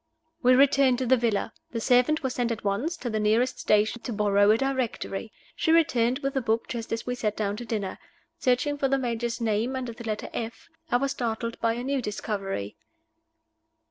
We returned to the villa. The servant was sent at once to the nearest stationer's to borrow a Directory. She returned with the book just as we sat down to dinner. Searching for the Major's name under the letter F, I was startled by a new discovery.